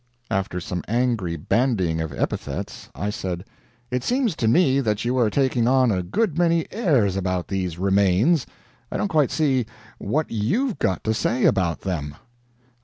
After some angry bandying of epithets, I said: "It seems to me that you are taking on a good many airs about these remains. I don't quite see what YOU'VE got to say about them?"